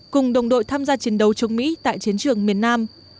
cùng đồng đội tham gia chiến đấu chống mỹ tại chiến trường miền nam